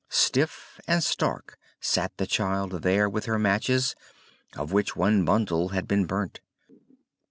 Stiff and stark sat the child there with her matches, of which one bundle had been burnt.